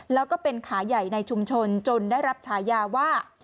แล้วก็เป็นขาใหญ่ในชุมชนจนได้รับฉายาว่า